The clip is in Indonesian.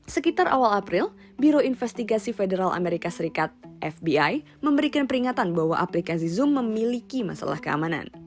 sekitar awal april biro investigasi federal amerika serikat fbi memberikan peringatan bahwa aplikasi zoom memiliki masalah keamanan